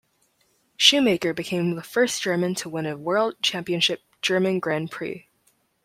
Schumacher became the first German to win a World Championship German Grand Prix.